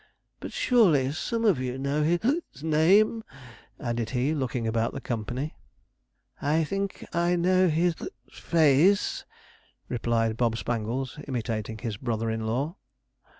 But surely, some of you know his name,' added he, looking about at the company. 'I think I know his face,' replied Bob Spangles, imitating his brother in law.